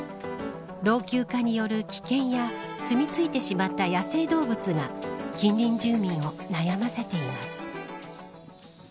老朽化による危険やすみついてしまった野生動物が近隣住民を悩ませています。